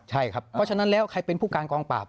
ใช่ครับเพราะฉะนั้นแล้วใครเป็นผู้การกองปราบ